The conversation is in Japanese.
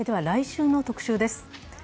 来週の「特集」です。